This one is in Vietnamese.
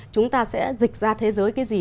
chúng ta sẽ dịch ra thế giới cái gì